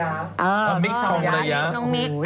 น้องมิกของเลยน้องมิก